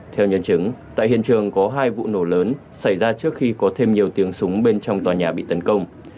theo nhân chứng tại hiện trường có hai vụ nổ lớn xảy ra trước khi có thêm nhiều tiếng súng bên trong tòa nhà bị tấn công